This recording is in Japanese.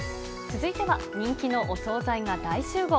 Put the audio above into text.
続いては、人気のお総菜が大集合！